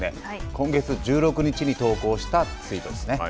今月１６日に投稿したツイートですね。